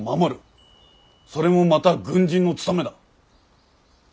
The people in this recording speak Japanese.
それもまた軍人の務めだ。